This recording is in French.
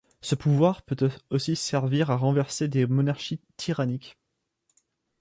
Ce pouvoir peut aussi servir à renverser des monarchies tyranniques.